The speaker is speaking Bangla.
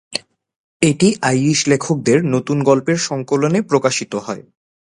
এটি আইরিশ লেখকদের নতুন গল্পের সংকলনে প্রকাশিত হয়।